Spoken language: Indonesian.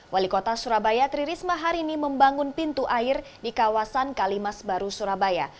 wali kota surabaya tri risma hari ini membangun pintu air di kawasan kalimas baru surabaya